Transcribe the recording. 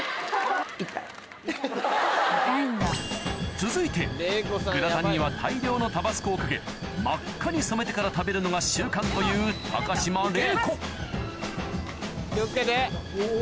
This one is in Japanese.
続いてグラタンには大量のタバスコをかけ真っ赤に染めてから食べるのが習慣という気を付けて。